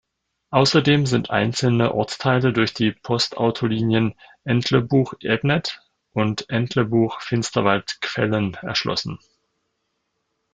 Ausserdem sind einzelne Ortsteile durch die Postautolinien Entlebuch–Ebnet und Entlebuch–Finsterwald-Gfellen erschlossen.